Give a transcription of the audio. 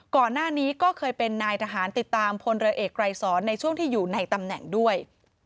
ก่อนหน้านี้ก็เคยเป็นนายทหารติดตามพลเรือเอกไกรสอนในช่วงที่อยู่ในตำแหน่งด้วย